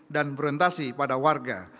dan berorientasi pada warga